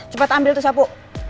cepat ambil tuh sapu